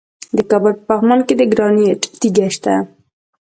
د کابل په پغمان کې د ګرانیټ تیږې شته.